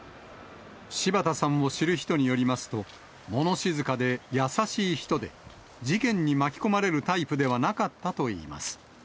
柴田さんを知る人によりますと、もの静かで優しい人で、事件に巻き込まれるタイプではなかったといいます。